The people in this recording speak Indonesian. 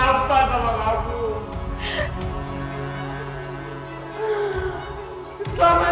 ampuh ampuh ampuh ampuh